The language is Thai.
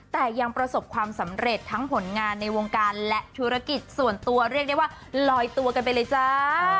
แต่ยังประสบความสำเร็จทั้งผลงานในวงการและธุรกิจส่วนตัวเรียกได้ว่าลอยตัวกันไปเลยจ้า